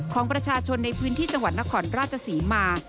ของประชาชนในพื้นที่จังหวัดนครราชศรีมา